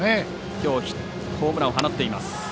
きょう、ホームランを放っています。